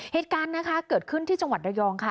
เหตุการณ์นะคะเกิดขึ้นที่จังหวัดระยองค่ะ